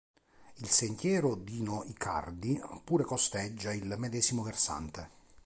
Il Sentiero Dino Icardi pure costeggia il medesimo versante.